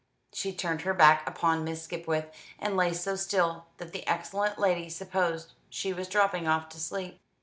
She turned her back upon Miss Skipwith, and lay so still that the excellent lady supposed she was dropping off to sleep.